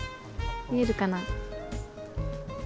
見えるかな？